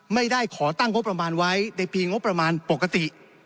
ไม่ได้ขอตั้งงบประมาณไว้ในปีงบประมาณปกติ